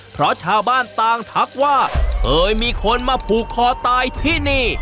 เพราะชาวบ้านต่างทักว่าเคยมีคนมาผูกคอตายที่นี่